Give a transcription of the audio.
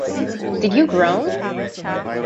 Did you groan?